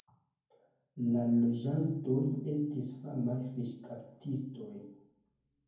La loĝantoj estis famaj fiŝkaptistoj.